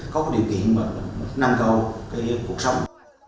có điều kiện nâng cầu cuộc sống